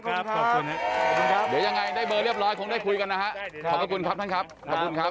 ขอบคุณครับเดี๋ยวยังไงได้เบอร์เรียบร้อยคงได้คุยกันนะฮะขอบพระคุณครับท่านครับขอบคุณครับ